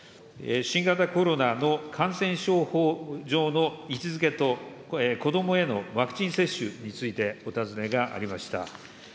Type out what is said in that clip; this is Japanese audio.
新型コロナの感染症法上の位置づけと子どもへのワクチン接種についてお尋ねがありました。